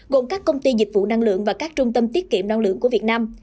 gồm các công ty dịch vụ năng lượng và các trung tâm tiết kiệm năng lượng của việt nam